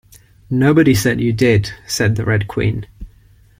‘Nobody said you did,’ said the Red Queen.